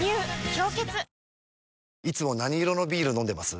「氷結」いつも何色のビール飲んでます？